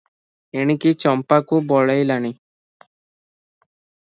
ଏଣିକି ଚମ୍ପାକୁ ବଳେଇଲାଣି ।